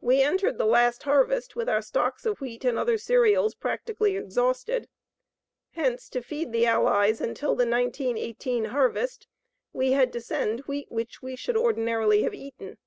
We entered the last harvest with our stocks of wheat and other cereals practically exhausted. Hence to feed the Allies until the 1918 harvest, we had to send wheat which we should ordinarily have eaten.